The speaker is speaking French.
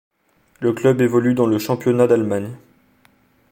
Le club évolue dans le championnat d'Allemagne.